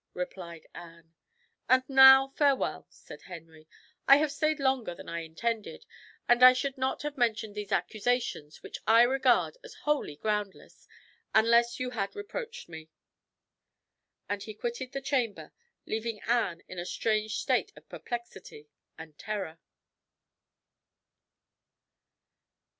replied Anne. "And now farewell," said Henry. "I have stayed longer than I intended, and I should not have mentioned these accusations, which I regard as wholly groundless, unless you had reproached me." And he quitted the chamber, leaving Anne in a strange state of perplexity and terror.